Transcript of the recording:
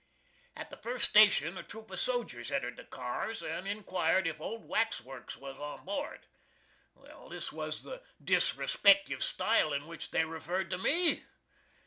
At the first station a troop of Sojers entered the cars and inquired if "Old Wax Works" was on bored. That was the disrespectiv stile in which they referred to me.